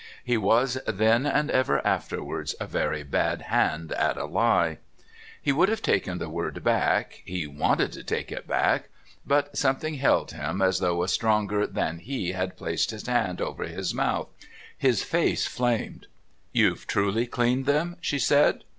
He was then and ever afterwards a very bad hand at a lie... He would have taken the word back, he wanted to take it back but something held him as though a stronger than he had placed his hand over his mouth. His face flamed. "You've truly cleaned them?" she said.